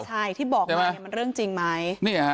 อย่างน้อยที่บอกไม่มันเรื่องจริงไหม